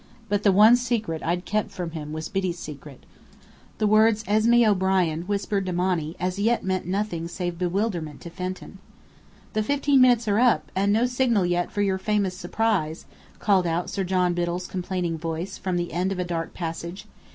But the one secret I'd kept from him was Biddy's secret. The words "Esmé O'Brien" whispered to Monny, as yet meant nothing save bewilderment to Fenton. "The fifteen minutes are up, and no signal yet for your famous surprise," called out Sir John Biddell's complaining voice, from the end of a dark passage.